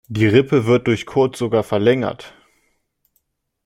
Die Rippe wird durch Kot sogar verlängert.